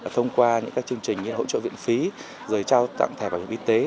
thông qua những chương trình như hỗ trợ viện phí rồi trao tặng thẻ bảo hiểm y tế